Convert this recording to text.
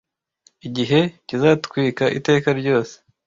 Igihe kizatwika iteka ryose